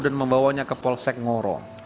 dan membawanya ke polsek ngoro